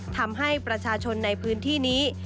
ทำให้ประชาชนในพื้นที่นี้